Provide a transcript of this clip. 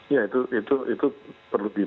ya itu perlu ditanyakan